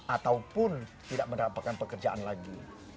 ataupun tidak mendapatkan pekerjaan lagi